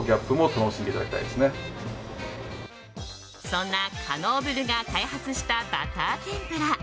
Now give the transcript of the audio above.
そんなカノーブルが開発したバター天ぷら。